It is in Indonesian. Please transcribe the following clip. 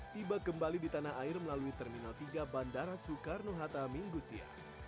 tiba kembali di tanah air melalui terminal tiga bandara soekarno hatta minggu siang